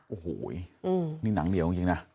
โอ้โหนี่หนังเหนียวจริงนะ